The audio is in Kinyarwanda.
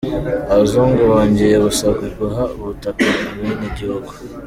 Abazungu bonjyeye gusabwa guha ubutaka abene gihugu